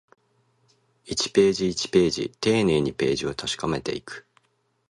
一ページ、一ページ、丁寧にページを確かめていく